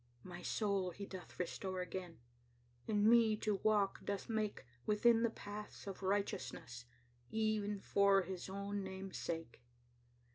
*My soul He doth restore again; And me to walk doth make Within the paths of righteousness Ev'n for His own name's sake.